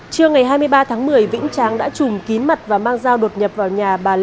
trưa ngày hai mươi ba tháng một mươi vĩnh tráng đã chùm kín mặt và mang dao đột nhập vào nhà bà lê